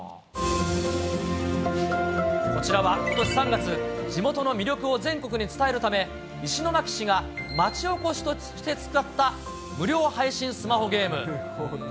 こちらはことし３月、地元の魅力を全国に伝えるため、石巻市が町おこしとして作った無料配信ゲーム。